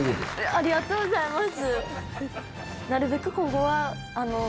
ありがとうございます。